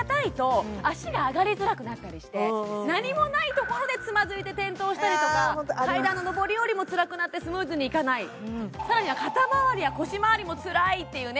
やっぱり何もないところでつまずいて転倒したりとか階段の上り下りもつらくなってスムーズにいかないさらには肩まわりや腰まわりもつらいっていうね